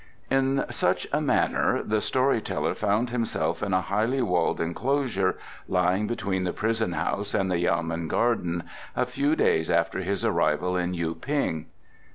In such a manner the story teller found himself in a highly walled enclosure, lying between the prison house and the yamen garden, a few days after his arrival in Yu ping.